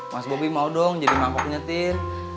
mas bobby mau dong jadi mangkoknya tin